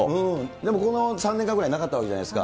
でも、この３年間ぐらいなかったわけじゃないですか。